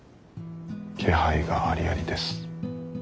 気配がありありです。